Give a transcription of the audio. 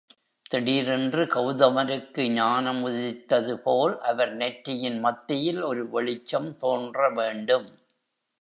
திடீரென்று கௌதமருக்கு ஞானம் உதித்தது போல் அவர் நெற்றியின் மத்தியில் ஒரு வெளிச்சம் தோன்றவேண்டும்.